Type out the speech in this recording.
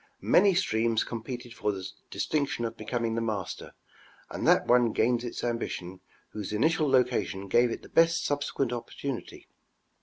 Many streams competed for the distinction of becoming the master, and that one gained its ambition whose initial location gave it the best subsequent opportunity.